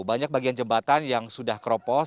banyak bagian jembatan yang sudah keropos